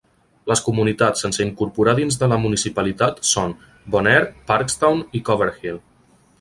Les comunitats sense incorporar dins de la municipalitat són Bon Air, Parkstown i Cover Hill.